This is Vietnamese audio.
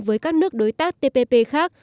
với các nước đối tác tpp khác